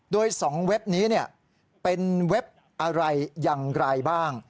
โดย๒เว็บนี้เป็นเว็บอะไรอย่างไรบ้าง